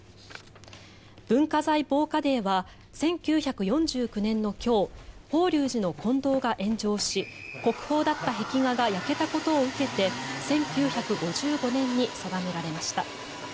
文化財防火デーは１９４９年の今日法隆寺の金堂が炎上し国宝だった壁画が焼けたことを受けて１９５５年に定められました。